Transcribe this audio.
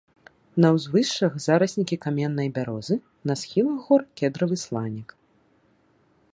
На ўзвышшах зараснікі каменнай бярозы, на схілах гор кедравы сланік.